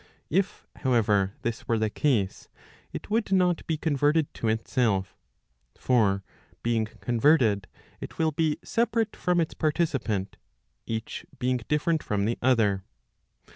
If, however, this were the case, it would not be converted to itself. For being converted, it will be separate from its participant, each being different from the other.